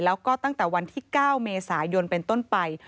แล้วก็ตั้งแต่วันที่๙เมษายนเป็นต้นไป